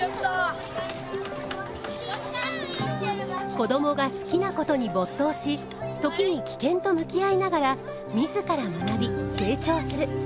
子どもが好きなことに没頭し時に危険と向き合いながら自ら学び成長する。